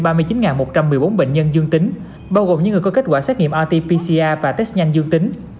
một trăm một mươi bốn bệnh nhân dương tính bao gồm những người có kết quả xét nghiệm rt pcr và test nhanh dương tính